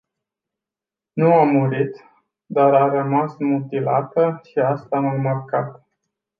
Nu a murit, dar a rămas mutilată și asta m-a marcat.